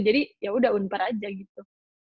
jadi yaudah unpar aja gitu